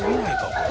これ。